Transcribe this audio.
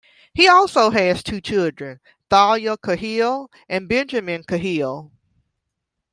He also has two children, Tahlia Cahill and Benjamin Cahill.